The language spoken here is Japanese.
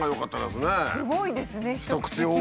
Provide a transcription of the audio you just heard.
すごいですね一口寄付。